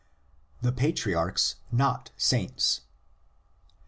THE PATRIARCHS NOT SAINTS.